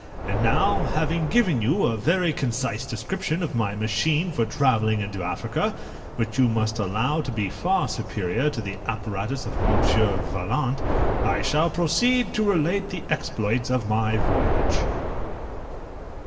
And now, having given you a very concise description of my machine for travelling into Africa, which you must allow to be far superior to the apparatus of Monsieur Vaillant, I shall proceed to relate the exploits of my voyage.